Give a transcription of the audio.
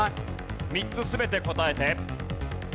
３つ全て答えて。